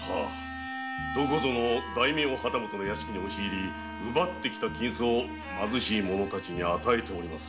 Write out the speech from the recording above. どこぞの大名旗本の屋敷に押し入り奪った金子を貧しい者たちに与えておりまする。